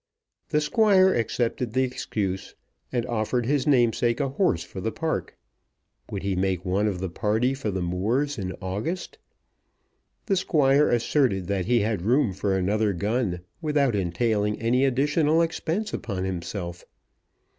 The Squire accepted the excuse, and offered his namesake a horse for the park. Would he make one of the party for the moors in August? The Squire asserted that he had room for another gun, without entailing any additional expense upon himself.